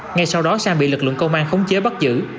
ngay sau đó sang bị lực lượng công an khống chế bắt giữ